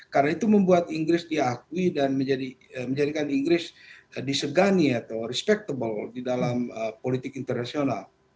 karena itu membuat inggris diakui dan menjadikan inggris disegani atau respectable di dalam politik internasional